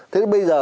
thế bây giờ